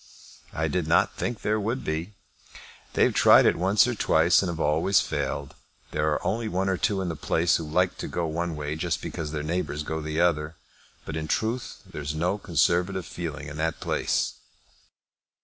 "I did not think there would be. They have tried it once or twice and have always failed. There are only one or two in the place who like to go one way just because their neighbours go the other. But, in truth, there is no conservative feeling in the place!"